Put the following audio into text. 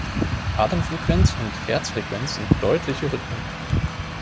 Atemfrequenz und Herzfrequenz sind deutliche Rhythmen.